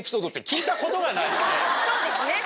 そうですね